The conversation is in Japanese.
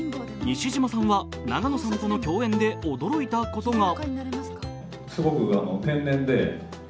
西島さんは永野さんとの共演で驚いたことが。